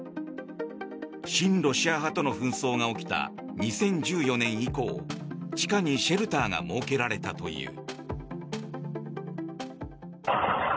親ロシア派との紛争が起きた２０１４年以降地下にシェルターが設けられたという。